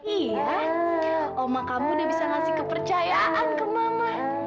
iya oma kamu udah bisa ngasih kepercayaan ke mama